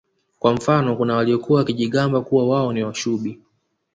Kwa mfano kuna waliokuwa wakijigamba kuwa wao ni Washubi